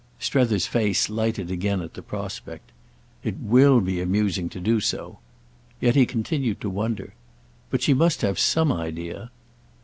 _" Strether's face lighted again at the prospect. "It will be amusing to do so." Yet he continued to wonder. "But she must have some idea."